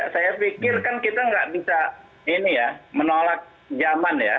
saya pikir kan kita tidak bisa menolak zaman